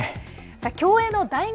競泳の大学